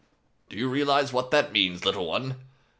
"Do you realize what that means, little one?